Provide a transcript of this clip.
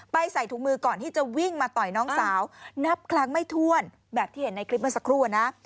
ใส่ถุงมือก่อนที่จะวิ่งมาต่อยน้องสาวนับครั้งไม่ถ้วนแบบที่เห็นในคลิปเมื่อสักครู่อะนะ